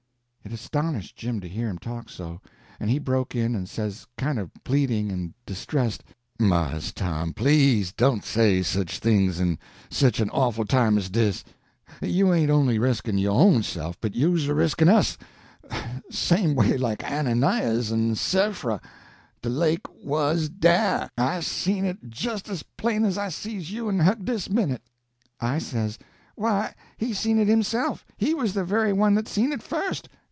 It astonished Jim to hear him talk so, and he broke in and says, kind of pleading and distressed: "Mars Tom, please don't say sich things in sich an awful time as dis. You ain't only reskin' yo' own self, but you's reskin' us—same way like Anna Nias en Siffra. De lake wuz dah—I seen it jis' as plain as I sees you en Huck dis minute." I says: "Why, he seen it himself! He was the very one that seen it first.